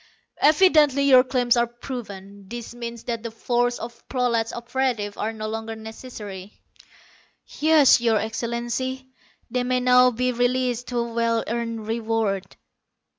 "Evidently your claims are proven. This means that the force of prolat operatives are no longer necessary." "Yes, Your Excellency. They may now be released to a well earned reward."